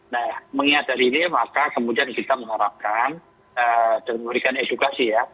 nah mengingat hal ini maka kemudian kita mengharapkan dan memberikan edukasi ya